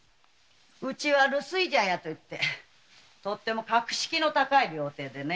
うちは留守居茶屋といって格式の高い料亭でね。